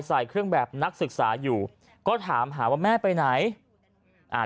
ใส่เครื่องแบบนักศึกษาอยู่ก็ถามหาว่าแม่ไปไหนอ่า